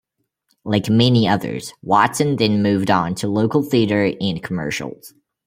Like many others, Watson then moved on to local theatre and commercials.